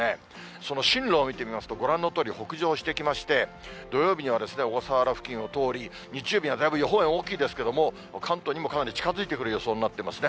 その進路を見てみますと、ご覧のとおり、北上してきまして、土曜日には小笠原付近を通り、日曜日にはだいぶ予報円大きいですけども、関東にもかなり近づいてくる予想になってますね。